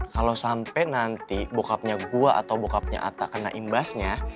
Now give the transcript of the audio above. kalo sampe nanti bokapnya gue atau bokapnya atta kena imbasnya